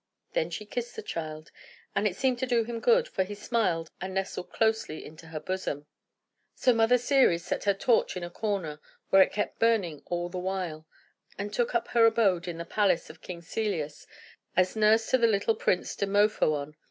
Then she kissed the child, and it seemed to do him good; for he smiled and nestled closely into her bosom. So Mother Ceres set her torch in a corner (where it kept burning all the while), and took up her abode in the palace of King Celeus, as nurse to the little Prince Demophoön.